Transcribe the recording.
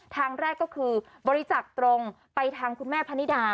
ทางแรกก็คือบริจักษ์ตรงไปทางคุณแม่พนิดา